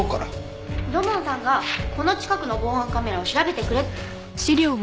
土門さんがこの近くの防犯カメラを調べてくれって。